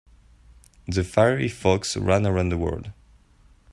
The fiery fox ran around the world.